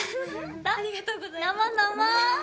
ありがとうございます。